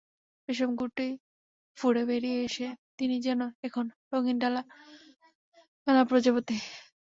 রেশম গুঁটি ফুঁড়ে বেরিয়ে এসে তিনি যেন এখন রঙিন ডানা মেলা প্রজাপতি।